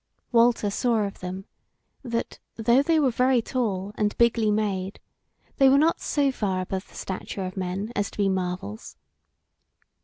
Walter saw of them, that though they were very tall and bigly made, they were not so far above the stature of men as to be marvels.